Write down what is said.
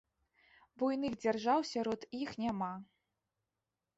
Буйных дзяржаў сярод іх няма.